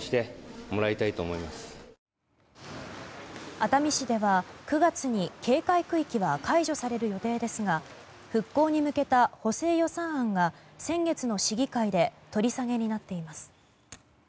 熱海市では９月に警戒区域が解除される予定ですが復興に向けた補正予算案が先月の市議会で取り下げになっています。